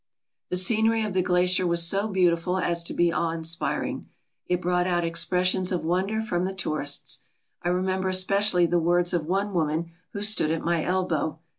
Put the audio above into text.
The scenery of the glacier was so beautiful as to be awe inspiring. It brought out expressions of wonder from the tourists. I remember especially the words of one woman who stood at my elbow.